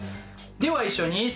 では一緒に。